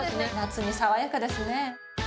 夏に爽やかですね。